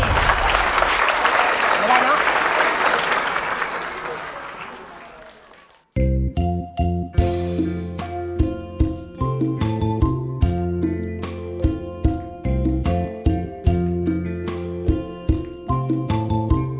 ครับ